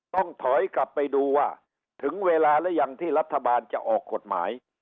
ต้องถอยกลับไปดูว่าถึงเวลาหรือยังที่รัฐบาลจะออกกฎหมาย